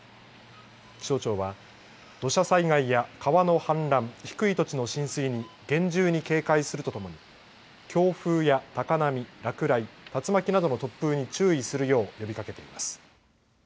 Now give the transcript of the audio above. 気象庁は土砂災害や川の氾濫低い土地の浸水に厳重に警戒するとともに強風や高波、落雷竜巻などの突風に注意するよう呼びかけています。